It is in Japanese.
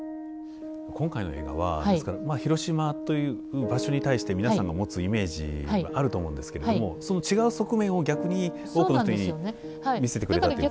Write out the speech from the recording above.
今回の映画は広島という場所に対して皆さんが持つイメージがあると思うんですけれどもその違う側面を逆に多くの人に見せてくれた。